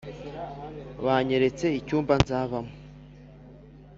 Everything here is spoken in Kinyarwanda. banyeretse icyumba nzabamo,